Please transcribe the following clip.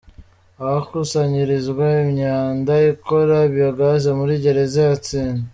Ahakusanyirizwa imyanda ikora Biogaz muri Gereza ya Nsinda.